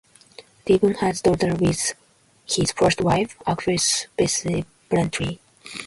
Steven has a daughter with his first wife, actress Betsy Brantley.